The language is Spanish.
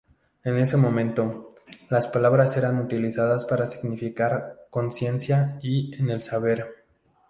En ese momento, las palabras eran utilizadas para significar; "conciencia" y "en el saber".